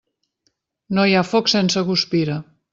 No hi ha foc sense guspira.